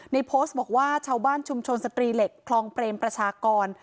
ในโพสต์บอกว่าชาวบ้านชุมชนสตรีเหล็กคลองเปรมประชากร